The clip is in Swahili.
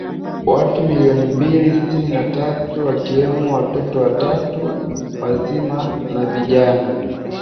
watu milioni mia mbili sitini na tatu wakiwemo watoto watu wazima na vijana